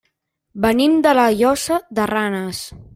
Venim de la Llosa de Ranes.